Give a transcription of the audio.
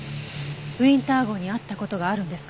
ウィンター号に会った事があるんですか？